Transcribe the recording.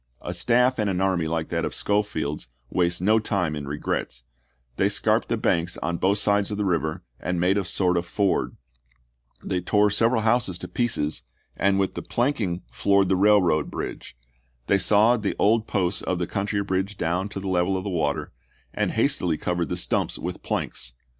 A staff and an army like that of Schofield's wastes no time in regrets ; they scarped the banks on both sides of the river and made a sort of ford ; they tore several houses to pieces, and with the planking Cox floored the railroad bridge; they sawed the old "FrlMin' Pos^s of the county bridge down to the level of the Kap^8&e " water, and hastily covered the stumps with planks.